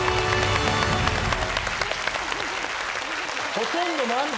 ほとんど満点。